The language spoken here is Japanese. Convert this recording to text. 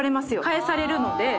返されるので。